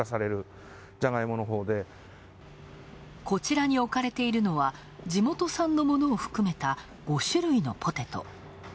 こちらに置かれているのは地元産のものを含めた５種類のポテト。